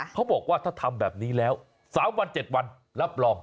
เขาบอกว่าถ้าทำแบบนี้แล้ว๓วัน๗วันรับรอง